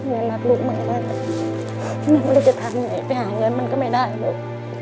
เมียรักลูกมากนะมันไม่ได้จะทำอะไรไปหาเงินมันก็ไม่ได้ลูก